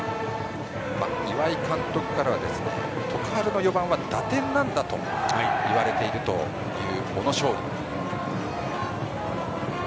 岩井監督からは徳栄の４番は打点なんだと言われている小野勝利。